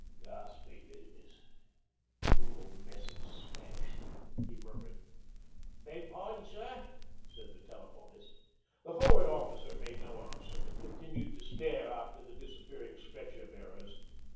"Ghastly business ... cruel messy smash,' he murmured. 'Beg pardon, sir?' said the telephonist. The Forward Officer made no answer but continued to stare after the disappearing stretcher bearers.